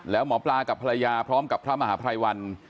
แล้วหมอปลากับภรรยาพร้อมกับพระมหาภัยวัน